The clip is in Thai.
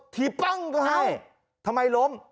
ทีปั๊งค่ะให้ทำไมล้ม